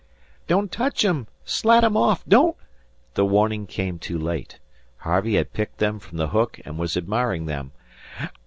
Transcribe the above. "Don't tech 'em. Slat 'em off. Don't " The warning came too late. Harvey had picked them from the hook, and was admiring them.